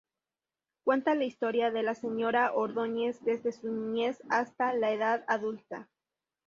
Cuenta la historia de la Señora Ordóñez desde su niñez hasta la edad adulta.